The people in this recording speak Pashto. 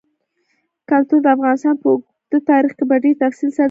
کلتور د افغانستان په اوږده تاریخ کې په ډېر تفصیل سره ذکر شوی دی.